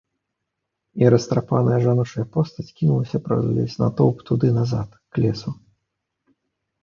І растрапаная жаночая постаць кінулася праз увесь натоўп туды назад, к лесу.